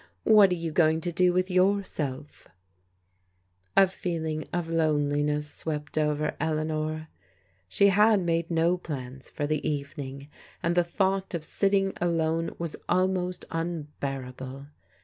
What are you going to do with yourself? " A feeling of loneliness swept over Eleanor. She had made no plans for the evening, and the thougVit oi CvXSvaj^ n 222 PRODIGAL DAUGHTERS alone was almost tmbearable.